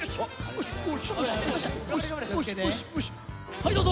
「はいどうぞ！」